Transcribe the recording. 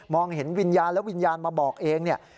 มองเห็นวิญญาณแล้ววิญญาณมาบอกเอง